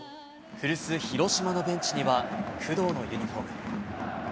古巣、広島のベンチには、工藤のユニホーム。